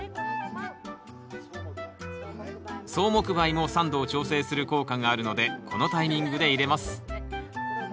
草木灰も酸度を調整する効果があるのでこのタイミングで入れます。